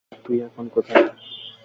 তুই এখন কোথায়?